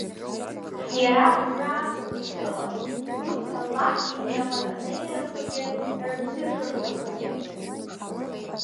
Иара убра акәын иахьыҟаз урҭ Аллаҳ имҵаматанеирақәагьы, рыԥсыжырҭақәагьы.